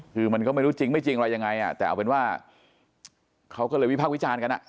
คือมันก็ไม่รู้จริงไม่จริงอะไรยังไงอ่ะแต่เอาเป็นว่าเขาก็เลยวิพากษ์วิจารณ์กันอ่ะ